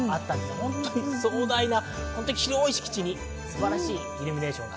本当に壮大で、広い敷地に素晴らしいイルミネーション。